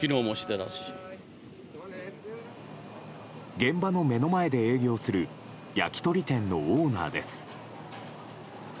現場の目の前で営業する焼き鳥店のオーナーです。